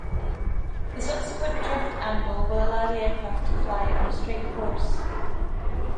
The subsequent drift angle will allow the aircraft to fly on a straight course.